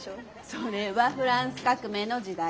それはフランス革命の時代。